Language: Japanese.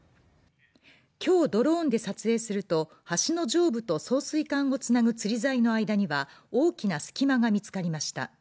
今日、ドローンで撮影すると橋の上部と送水管をつなぐつり材の間には大きな隙間が見つかりました。